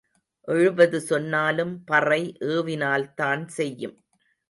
எழுபது சொன்னாலும் பறை ஏவினால்தான் செய்யும்.